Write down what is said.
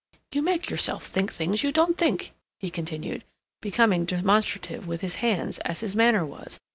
"You make yourself think things you don't think," he continued, becoming demonstrative with his hands, as his manner was.